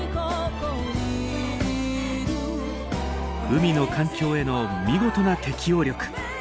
海の環境への見事な適応力。